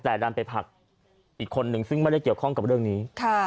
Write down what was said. แต่ดันไปผลักอีกคนนึงซึ่งไม่ได้เกี่ยวข้องกับเรื่องนี้